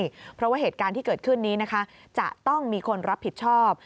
เพราะว่าเหตุการณ์ที่เกิดขึ้นนี้นะคะจะต้องมีคนรับผิดชอบ